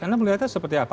anda melihatnya seperti apa